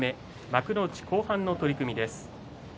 幕内後半の取組です。